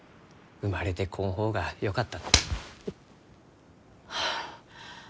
「生まれてこん方がよかった」